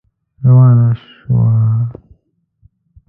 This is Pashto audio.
روانه شوه.